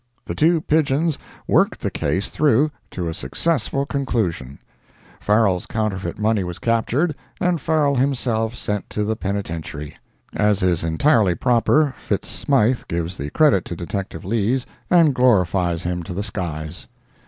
] The two pigeons worked the case through to a successful conclusion. Farrell's counterfeit money was captured, and Farrell himself sent to the Penitentiary. As is entirely proper, Fitz Smythe gives the credit to detective Lees, and glorifies him to the skies.